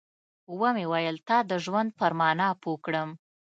ومې ويل تا د ژوند پر مانا پوه کړم.